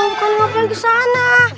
bukan apa apa yang di sana